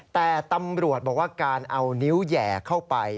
แต่ตำรวจบอกว่าการเอานิ้วแหย่เข้าไป